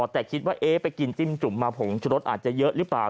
แต่คิดว่าเอ๊ะไปกินจิ้มจุ่มมาผงชะรสอาจจะเยอะหรือเปล่า